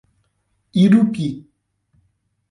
Irupi